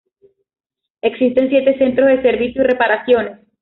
Existen siete centros de servicio y reparaciones.